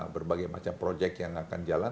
berbagai macam proyek yang akan jalan